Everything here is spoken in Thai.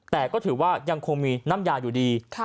แต่ก็ถือว่ายังคงมีน้ำยาอยู่ดี